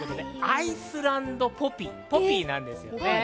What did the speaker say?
アイスランドポピー、ポピーです。